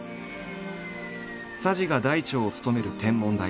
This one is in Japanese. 佐治が台長を務める天文台。